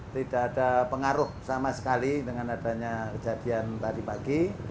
tidak ada pengaruh sama sekali dengan adanya kejadian tadi pagi